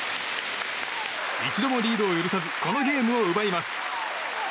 一度もリードを許さずこのゲームを奪います。